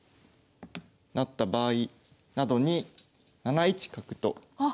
なった場合などに７一角と。